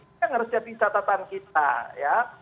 ini yang harus jadi catatan kita ya